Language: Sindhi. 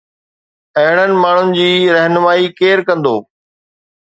اهڙن ماڻهن جي رهنمائي ڪير ڪندو؟